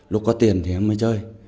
lúc có tiền thì em mới chơi